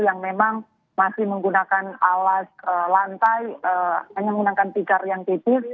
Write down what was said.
yang memang masih menggunakan alas lantai hanya menggunakan tikar yang tipis